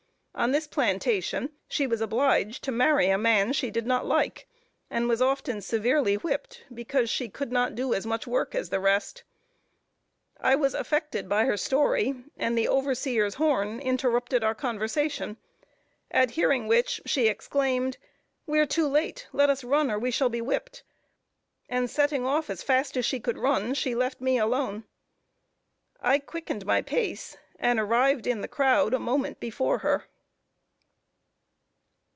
On this plantation she was obliged to marry a man she did not like, and was often severely whipped because she could not do as much work as the rest. I was affected by her story, and the overseer's horn interrupted our conversation, at hearing which she exclaimed, "We are too late, let us run, or we shall be whipped," and setting off as fast as she could run, she left me alone. I quickened my pace, and arrived in the crowd a moment before her.